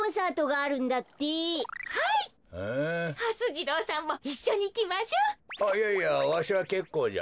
あっいやいやわしはけっこうじゃ。